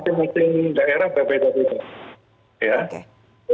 masing masing daerah berbeda beda